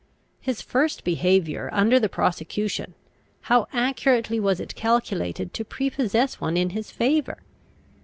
His first behaviour under the prosecution, how accurately was it calculated to prepossess one in his favour!